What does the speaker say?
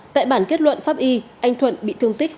tại bản kết luận pháp y anh thuận bị thương tích ba mươi ba